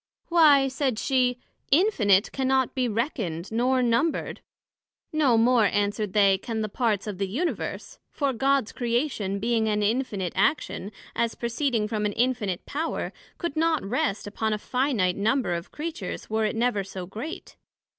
Why, said she, Infinite cannot be reckoned, nor numbred. No more, answered they, can the parts of the Universe; for God's Creation, being an Infinite action, as proceeding from an Infinite Power, could not rest upon a finite Number of Creatures, were it never so great.